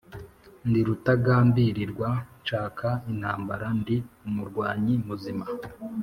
Ndi rutagambilirwa nshaka intambara, ndi umurwanyi muzima,